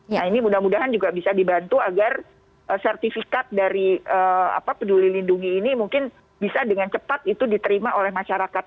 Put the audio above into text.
nah ini mudah mudahan juga bisa dibantu agar sertifikat dari peduli lindungi ini mungkin bisa dengan cepat itu diterima oleh masyarakat